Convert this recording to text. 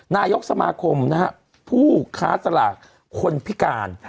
นายกสมาคมนะฮะผู้ค้าสลากคนพิการ